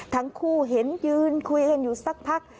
ทั้งคู่เห็นยืนคุยกันอยู่สักพัก